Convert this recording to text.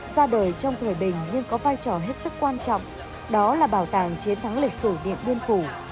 ra đời trong thời bình nhưng có vai trò hết sức quan trọng đó là bảo tàng chiến thắng lịch sử điện biên phủ